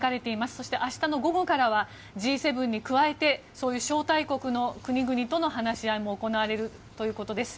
そして、明日の午後からはＧ７に加えてそういう招待国の国々との話し合いも行われるということです。